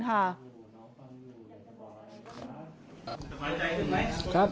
สบายใจขึ้นไหม